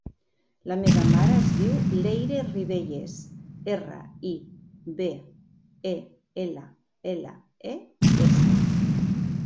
La meva mare es diu Leire Ribelles: erra, i, be, e, ela, ela, e, essa.